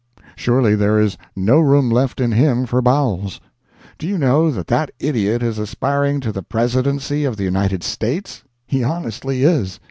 Surely there is no room left in him for bowels. Do you know that that idiot is aspiring to the Presidency of the United States? He honestly is.